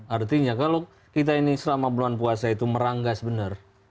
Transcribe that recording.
artinya kalau kita ini selama bulan puasa itu meranggas benar